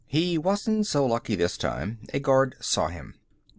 He wasn't so lucky this time; a guard saw him.